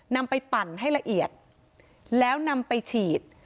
นำไปปั่นให้ละเอียดแล้วนำไปฉีด